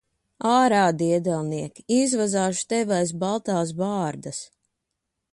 Ārā, diedelniek! Izvazāšu tevi aiz baltās bārdas.